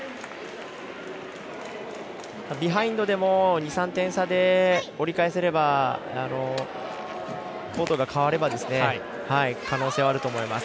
ビハインドでも２３点差で折り返せればコートが替われば可能性はあると思います。